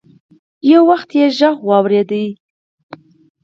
يو وخت يې غږ واورېد.